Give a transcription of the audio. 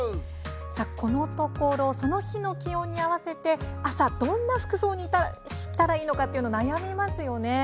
このところその日の気温に合わせて朝、どんな服装にしたらいいのか悩みますよね。